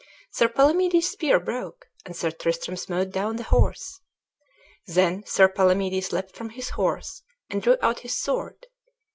Sir Palamedes' spear broke, and Sir Tristram smote down the horse. Then Sir Palamedes leapt from his horse, and drew out his sword.